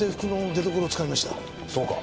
そうか。